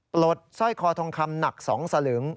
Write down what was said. ปลดสร้อยคอทองคำหนัก๒สลึง